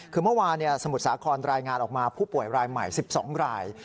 คือเมื่อวานสมุทรสาครรายงานออกมาผู้ป่วยรายใหม่๑๒ราย